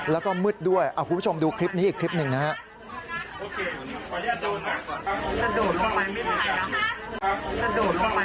แล้วก็มืดด้วยคุณผู้ชมดูคลิปนี้อีกคลิปหนึ่งนะครับ